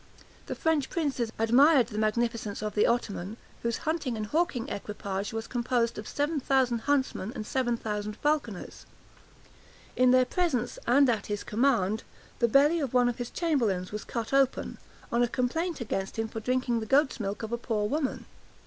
The French princes admired the magnificence of the Ottoman, whose hunting and hawking equipage was composed of seven thousand huntsmen and seven thousand falconers. 65 In their presence, and at his command, the belly of one of his chamberlains was cut open, on a complaint against him for drinking the goat's milk of a poor woman.